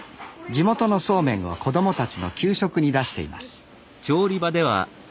地元のそうめんを子供たちの給食に出しています。